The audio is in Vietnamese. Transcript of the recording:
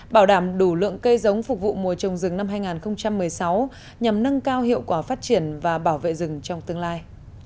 bảo đảm đủ lượng cây giống phục vụ mùa trồng rừng năm hai nghìn một mươi sáu nhằm nâng cao hiệu quả phát triển và bảo vệ rừng trong tương lai